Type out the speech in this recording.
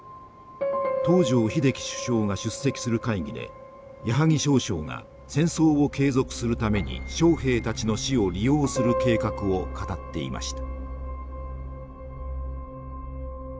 東條英機首相が出席する会議で谷萩少将が戦争を継続するために将兵たちの死を利用する計画を語っていました。